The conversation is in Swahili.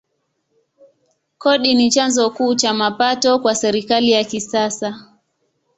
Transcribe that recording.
Kodi ni chanzo kuu cha mapato kwa serikali ya kisasa.